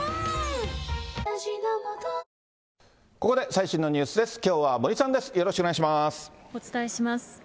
ここで最新のニュースです。